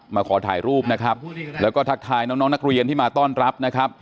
มาขอถ่ายรูปนะครับ